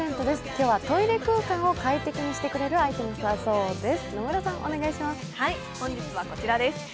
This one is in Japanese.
今日はトイレ空間を快適にしてくれるアイテムだそうです。